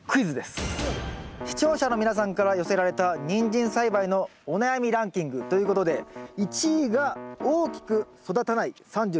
視聴者の皆さんから寄せられたニンジン栽培のお悩みランキングということで１位が「大きく育たない」３３％。